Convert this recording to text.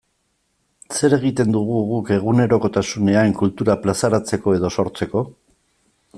Zer egiten dugu guk egunerokotasunean kultura plazaratzeko edo sortzeko?